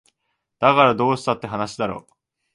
だからどうしたって話だろ